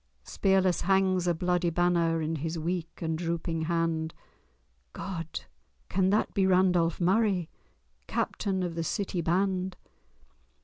Spearless hangs a bloody banner In his weak and drooping hand— God! can that be Randolph Murray, Captain of the city band?